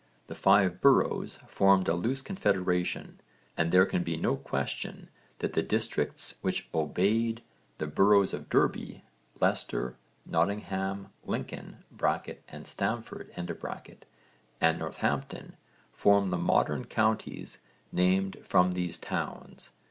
The Five Boroughs formed a loose confederation, and there can be no question that the districts which 'obeyed' (v. supra, p. 31) the boroughs of Derby, Leicester, Nottingham, Lincoln (and Stamford) and Northampton form the modern counties named from these towns.